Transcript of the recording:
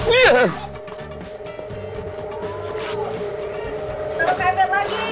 berangan musil transgariji dan air meleraki pasir